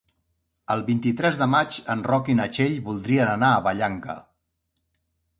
El vint-i-tres de maig en Roc i na Txell voldrien anar a Vallanca.